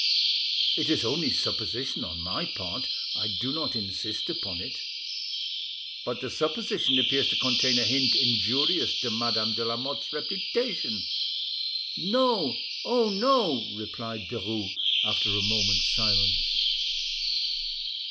"It is only supposition on my part, I do not insist upon it." "But the supposition appears to contain a hint injurious to Madame de Lamotte's reputation?" "No, oh no!" replied Derues, after a moment's silence.